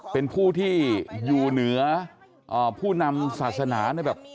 เป็นผู้ที่อยู่เหนือผู้นำศาสนาในแบบ